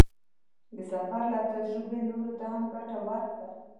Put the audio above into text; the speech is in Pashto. د سفر له تجربې نورو ته هم ګټه ورکړه.